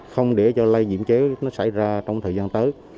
không để cho lây diễm chế nó xảy ra trong thời gian tới